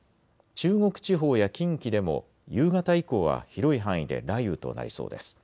中国地方や近畿でも夕方以降は広い範囲で雷雨となりそうです。